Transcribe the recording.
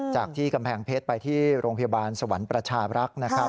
จากที่กำแพงเพชรไปที่โรงพยาบาลสวรรค์ประชาบรักษ์นะครับ